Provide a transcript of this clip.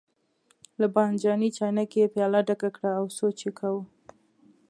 له بانجاني چاینکې یې پیاله ډکه کړه او سوچ یې کاوه.